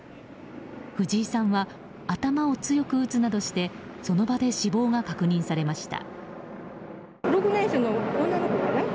藤井さんは頭を強く打つなどしてその場で死亡が確認されました。